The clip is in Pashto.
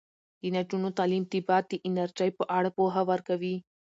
د نجونو تعلیم د باد د انرژۍ په اړه پوهه ورکوي.